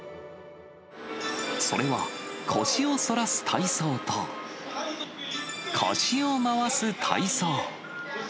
それは腰をそらす体操と、腰を回す体操。